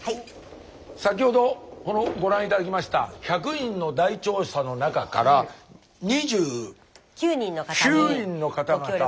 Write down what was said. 先ほどご覧頂きました１００人の大調査の中から２９人の方々。